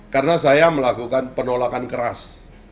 karena saya melakukan penolakan keras